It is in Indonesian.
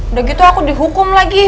udah gitu aku dihukum lagi